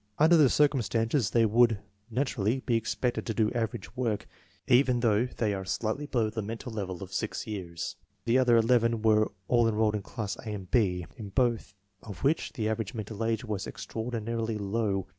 Under the circumstances they would naturally be expected to do average work, even though they are slightly below the mental level of 6 years The other 11 were all enrolled in classes A and B, in both of which the average mental age was extraordi narily low.